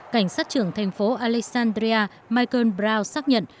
cảnh sát trưởng thành phố alexandria michael brow xác nhận